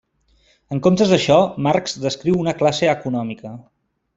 En comptes d'això, Marx descriu una classe econòmica.